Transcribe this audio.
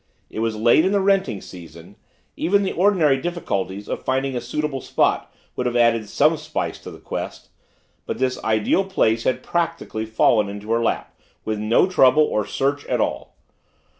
It was late in the renting season even the ordinary difficulties of finding a suitable spot would have added some spice to the quest but this ideal place had practically fallen into her lap, with no trouble or search at all.